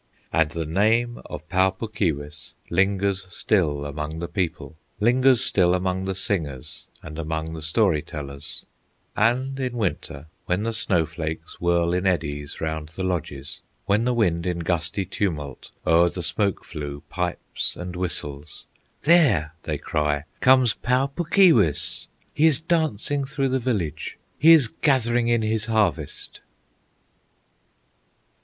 And the name of Pau Puk Keewis Lingers still among the people, Lingers still among the singers, And among the story tellers; And in Winter, when the snow flakes Whirl in eddies round the lodges, When the wind in gusty tumult O'er the smoke flue pipes and whistles, "There," they cry, "comes Pau Puk Keewis, He is dancing through the village, He is gathering in his harvest!"